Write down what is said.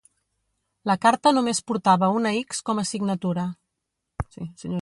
La carta només portava una x com a signatura.